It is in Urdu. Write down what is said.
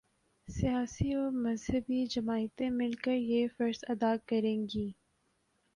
سیاسی و مذہبی جماعتیں مل کر یہ فرض ادا کریں گی۔